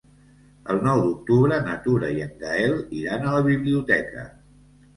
El nou d'octubre na Tura i en Gaël iran a la biblioteca.